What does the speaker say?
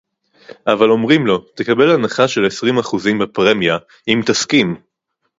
אבל אומרים לו - תקבל הנחה של עשרים אחוזים בפרמיה אם תסכים